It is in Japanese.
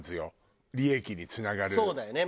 そうだよね。